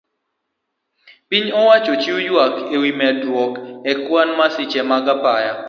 Piny owacho ochiwo yuak ewi medruok ekwan masiche mag apaya